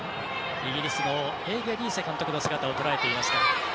イギリスのヘーゲ・リーセ監督の姿をとらえていました。